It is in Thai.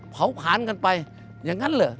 เผาขานกันไปอย่างนั้นเหรอ